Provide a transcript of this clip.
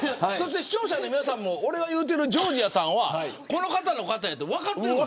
視聴者の皆さんも俺が言うてるジョージアさんはこの方だと分かっている。